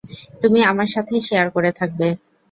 তুমি আমার সাথেই শেয়ার করে থাকবে।